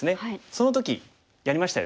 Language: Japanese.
その時やりましたよね。